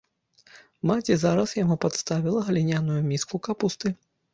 Маці зараз яму падставіла гліняную міску капусты.